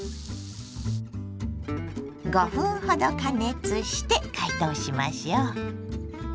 ５分ほど加熱して解凍しましょう。